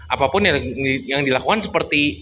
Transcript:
apapun yang dilakukan seperti